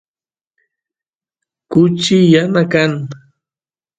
kuchi yana kan